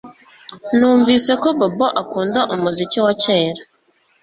Numvise ko Bobo akunda umuziki wa kera